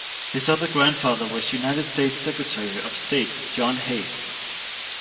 His other grandfather was United States Secretary of State John Hay.